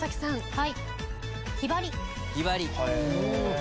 はい。